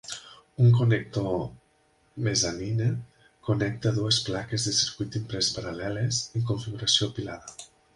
Un connector Mezzanine connecta dues plaques de circuit imprès paral·leles en configuració apilada.